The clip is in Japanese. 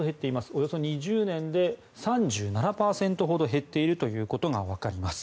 およそ２０年で３７％ほど減っていることがわかります。